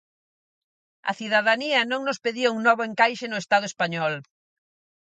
A cidadanía non nos pedía un novo encaixe no Estado español.